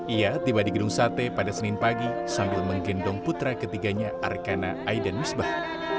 ia tiba di gedung sate pada senin pagi sambil menggendong putra ketiganya arkana aidan misbah